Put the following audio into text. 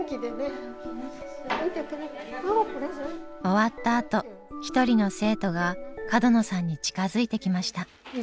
終わったあと一人の生徒が角野さんに近づいてきました。